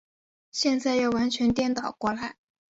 现在要完全颠倒过来。